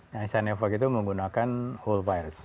nah sinovac itu menggunakan whole virus